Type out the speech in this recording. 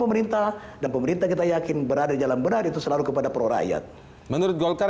pemerintah dan pemerintah kita yakin berada dalam benar itu selalu kepada pro rakyat menurut golkar